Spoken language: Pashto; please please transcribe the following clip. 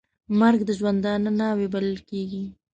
مرګ د ژوندانه ناوې بلل کېږي .